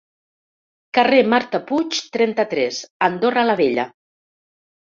Carrer marta puig, trenta-tres, Andorra La Vella.